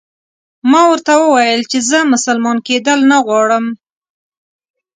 ما ورته وویل چې زه مسلمان کېدل نه غواړم.